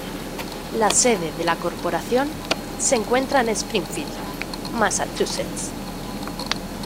La sede de la corporación se encuentra en Springfield, Massachusetts.